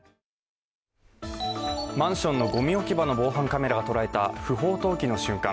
マンションのごみ置き場の防犯カメラが捉えた不法投棄の瞬間。